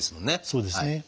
そうですね。